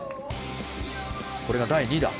これが第２打。